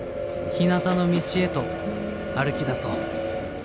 「ひなたの道へと歩きだそう。